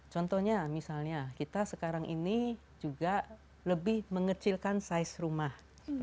contohnya misalnya kita sekarang ini juga lebih mengecilkan size rumah